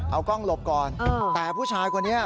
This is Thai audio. เอากล้องหลบก่อนแต่ผู้ชายคนนี้